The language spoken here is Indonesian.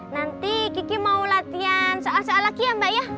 nanti kiki mau latihan soal soal lagi ya mbak ya